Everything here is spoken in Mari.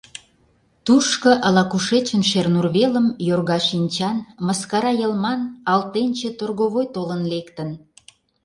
Тушко ала-кушечын Шернур велым йорга шинчан, мыскара йылман алтенче торговой толын лектын.